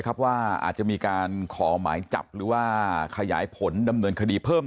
ว่าอาจจะมีการขอหมายจับหรือว่าขยายผลดำเนินคดีเพิ่ม